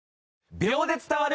『秒で伝わる！